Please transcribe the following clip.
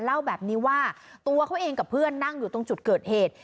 เล่าแบบนี้ว่าตัวเขาเองกับเพื่อนนั่งอยู่ตรงจุดเกิดเหตุ